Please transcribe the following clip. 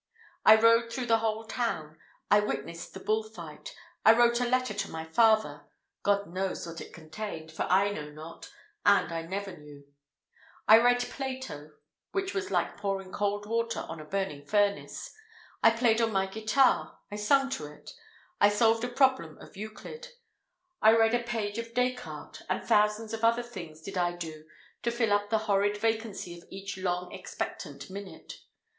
I rode through the whole town; I witnessed the bull fight; I wrote a letter to my father God knows what it contained, for I know not, and I never knew; I read Plato, which was like pouring cold water on a burning furnace; I played on my guitar I sung to it; I solved a problem of Euclid; I read a page of Descartes: and thousands of other things did I do to fill up the horrid vacancy of each long expectant minute.